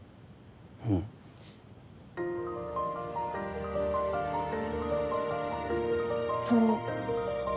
うん。それ。